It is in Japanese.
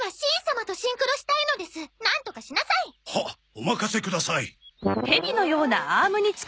お任せください。